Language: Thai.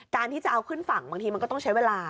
ที่จะเอาขึ้นฝั่งบางทีมันก็ต้องใช้เวลา